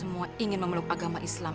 semua ingin memeluk agama islam